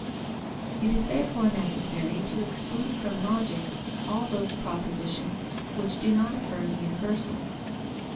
It is therefore necessary to exclude from Logic all those propositions which do not affirm universals.